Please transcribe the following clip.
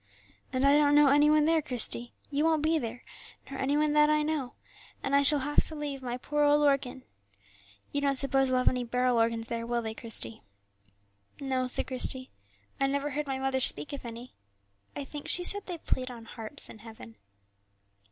"And I don't know any one there, Christie; you won't be there, nor any one that I know; and I shall have to leave my poor old organ; you don't suppose they'll have any barrel organs there, will they, Christie?" "No," said Christie, "I never heard my mother speak of any; I think she said they played on harps in heaven."